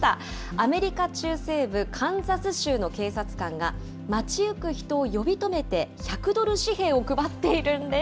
アメリカ中西部カンザス州の警察官が、街行く人を呼び止めて、１００ドル紙幣を配っているんです。